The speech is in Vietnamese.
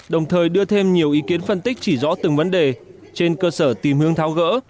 đồng thời đưa thêm nhiều ý kiến phân tích chỉ rõ từng vấn đề trên cơ sở tìm hướng tháo gỡ